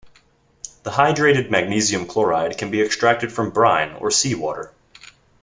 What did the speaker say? The hydrated magnesium chloride can be extracted from brine or sea water.